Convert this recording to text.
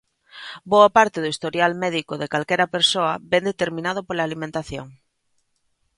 Boa parte do historial médico de calquera persoa vén determinado pola alimentación.